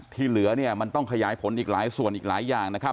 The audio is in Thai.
เหลือเนี่ยมันต้องขยายผลอีกหลายส่วนอีกหลายอย่างนะครับ